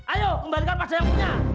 ayo kembalikan pada yang punya